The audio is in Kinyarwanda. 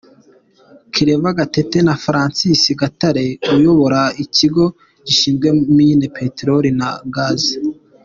Claver Gatete na Francis Gatare uyobora Ikigo gishinzwe Mine, Peteroli na Gaz.